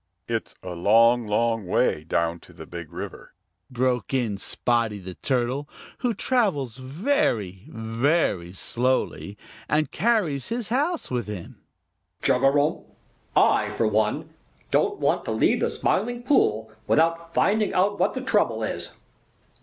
"It's a long, long way down to the Big River," broke in Spotty the Turtle, who travels very, very slowly and carries his house with him. "Chugarum! I, for one, don't want to leave the Smiling Pool without finding out what the trouble is.